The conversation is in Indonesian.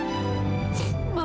kami percaya sama kakak